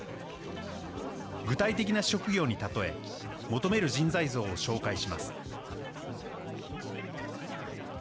具体的な職業に例え、求める人材像を紹介します。